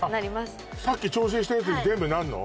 あっさっき調整したやつに全部なるの？